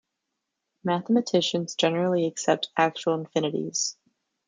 Mathematicians generally accept actual infinities.